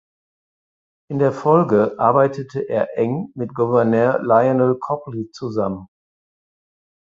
In der Folge arbeitete er eng mit Gouverneur Lionel Copley zusammen.